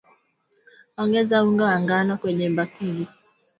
Ongeza unga wa ngano kwenye bakuli